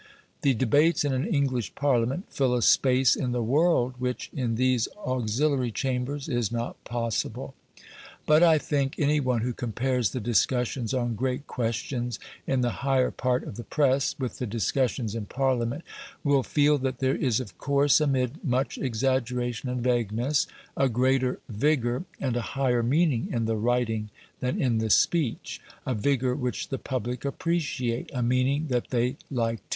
The debates in an English Parliament fill a space in the world which, in these auxiliary chambers, is not possible. But I think any one who compares the discussions on great questions in the higher part of the press, with the discussions in Parliament, will feel that there is (of course amid much exaggeration and vagueness) a greater vigour and a higher meaning in the writing than in the speech: a vigour which the public appreciate a meaning that they like to hear.